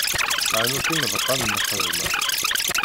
Sɛan akk imeḍqan n lxedma.